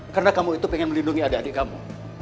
karena kamu itu pengen melindungi adik adik kamu